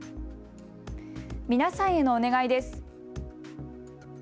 皆さんへのお願いです。